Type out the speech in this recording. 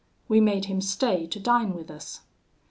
We made him stay to dine with us.